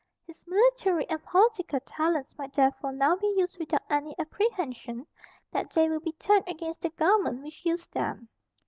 His military and political talents might therefore now be used without any apprehension that they would be turned against the government which used them.